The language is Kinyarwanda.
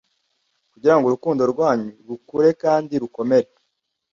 Kugira ngo urukundo rwanyu rukure kandi rukomere